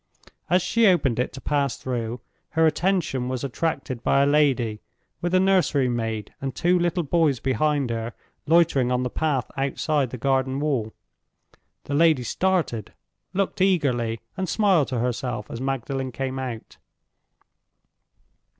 As she opened it to pass through, her attention was attracted by a lady, with a nursery maid and two little boys behind her, loitering on the path outside the garden wall. The lady started, looked eagerly, and smiled to herself as Magdalen came out.